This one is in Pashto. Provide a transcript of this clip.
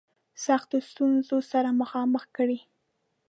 سختو ستونزو سره مخامخ کړي.